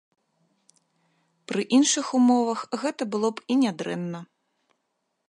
Пры іншых умовах гэта было б і нядрэнна.